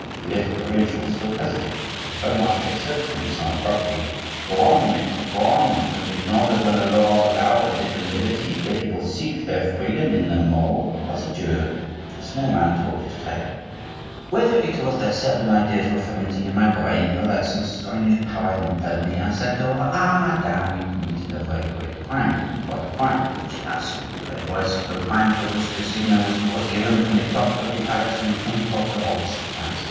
The little provincial still hesitated, and Beaumarchais said to him somewhat roughly:— "Go on, maitre, go on! Don't you know that when the laws allow but little liberty the people seek their freedom in their morals?" Thus adjured, the small man told his tale:— "Whether it was that certain ideas were fermenting in my brain, or that some strange power impelled me, I said to her: 'Ah! madame, you committed a very great crime.' 'What crime?' she asked in a grave voice. 'The crime for which the signal was given from the clock of the palace on the 24th of August,' I answered.